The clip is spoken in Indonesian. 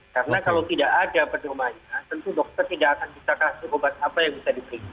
karena kalau tidak ada penyelamanya tentu dokter tidak akan bisa kasih obat apa yang bisa diberi